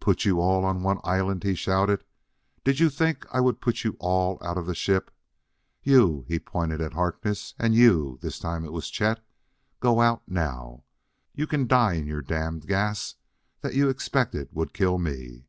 "Put you all on one island?" he shouted. "Did you think I would put you all out of the ship? You" he pointed at Harkness "and you" this time it was Chet "go out now. You can die in your damned gas that you expected would kill me!